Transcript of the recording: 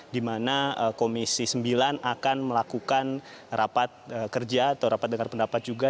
di mana komisi sembilan akan melakukan rapat kerja atau rapat dengar pendapat juga